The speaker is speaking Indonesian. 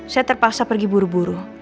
saya terpaksa pergi buru buru